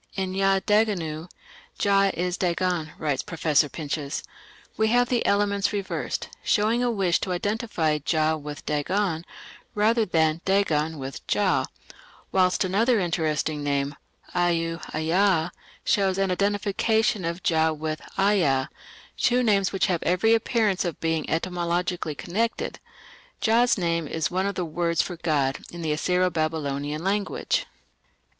"In Ya Daganu, 'Jah is Dagon'", writes Professor Pinches, "we have the elements reversed, showing a wish to identify Jah with Dagon, rather than Dagon with Jah; whilst another interesting name, Au Aa, shows an identification of Jah with Aa, two names which have every appearance of being etymologically connected." Jah's name "is one of the words for 'god' in the Assyro Babylonian language".